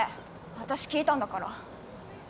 私聞いたんだから。